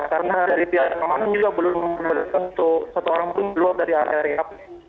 karena dari pihak keamanan juga belum ada satu orang pun keluar dari area